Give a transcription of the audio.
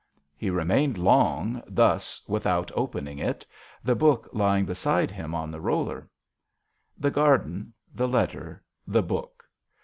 He remained long thus without opening it, the book lying beside him on the roller. The garden the letter the book